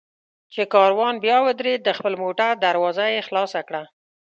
چې کاروان بیا ودرېد، د خپل موټر دروازه مې خلاصه کړه.